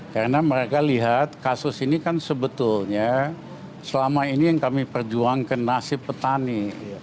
karena mereka lihat kasus ini kan sebetulnya selama ini yang kami perjuangkan nasib petani